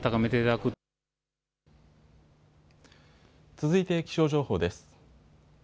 続いて気象情報です。